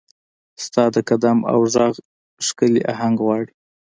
ستا د قدم او ږغ، ښکلې اهنګ غواړي